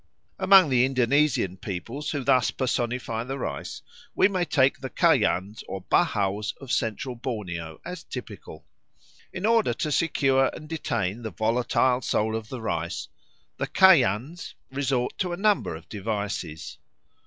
Among the Indonesian peoples who thus personify the rice we may take the Kayans or Bahaus of Central Borneo as typical. In order to secure and detain the volatile soul of the rice the Kayans resort to a number of devices.